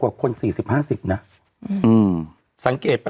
เราก็มีความหวังอะ